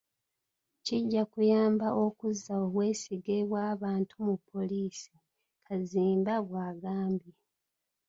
"Kijja kuyamba okuzza obwesige bw’abantu mu poliisi.” Kazimba bw’agambye.